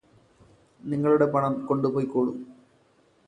നിങ്ങളുടെ പണം കൊണ്ട് പോയിക്കോളു